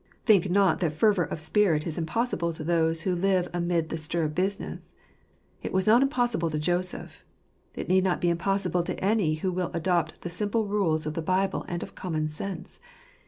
Think not that fervour of spirit is impossible to those who live amid the stir of business. It was not impossible to J oseph : it need not be impossible to any who will adopt the simple rules of the Bible and of common sense.